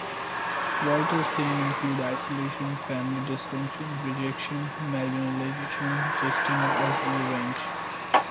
Walter's themes include isolation, family dysfunction, rejection, marginalisation, justice and revenge.